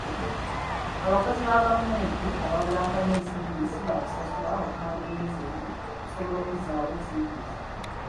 Abakozi ba gavumenti abaabulankanya ensimbi si baakusasulwa okumala emyezi ebiri okusobola okuzzaawo ensimbi ezo.